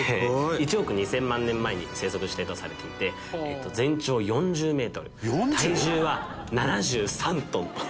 １億２０００万年前に生息していたとされていて全長４０メートル体重は７３トン。